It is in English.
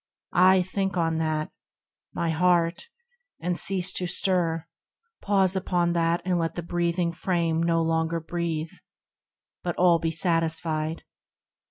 Aye think on that, my heart, and cease to stir, Pause upon that and let the breathing frame No longer breathe, but all be satisfied.